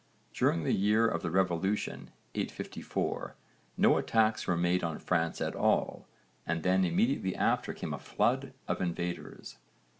During the year of the revolution 854 no attacks were made on France at all and then immediately after came a flood of invaders.